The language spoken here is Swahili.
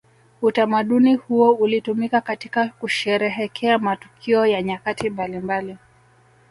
Utamaduni huo ulitumika katika kusherehekea matukio ya nyakati mbalimbali